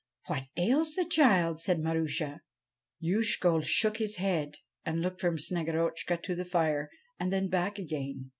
' What ails the child ?' said Marusha. Youshko shook his head and looked from Snegorotchka to the fire, and then back again.